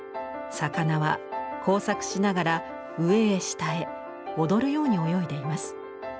魚は交錯しながら上へ下へ踊るように泳いでいます。